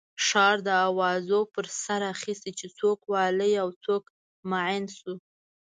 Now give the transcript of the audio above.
ښار د اوازو پر سر اخستی چې څوک والي او څوک معین شو.